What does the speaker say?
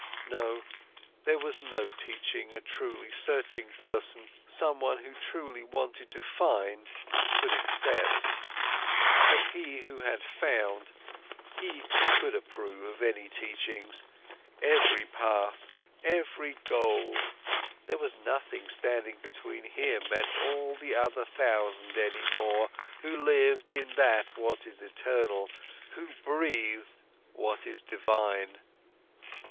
No, there was no teaching a truly searching person, someone who truly wanted to find, could accept. But he who had found, he could approve of any teachings, every path, every goal, there was nothing standing between him and all the other thousand any more who lived in that what is eternal, who breathed what is divine.